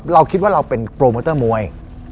เราคิดว่าเราเป็นโปรโมเตอร์มวย